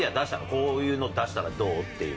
こういうの出したらどう？っていう。